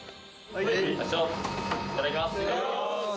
いただきます。